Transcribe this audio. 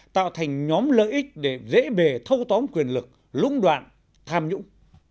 tạo thành nhóm lợi ích để dễ bề thâu tóm quyền lực lũng đoạn tham nhũng